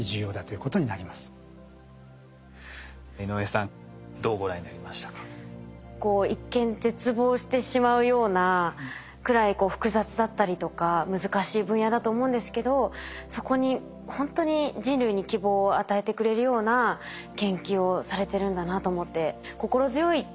こう一見絶望してしまうようなくらい複雑だったりとか難しい分野だと思うんですけどそこにほんとに人類に希望を与えてくれるような研究をされてるんだなと思って心強いって感じました。